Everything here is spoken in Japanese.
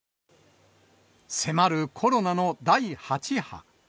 迫るコロナの第８波。